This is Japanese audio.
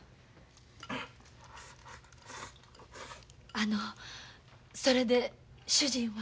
あのそれで主人は？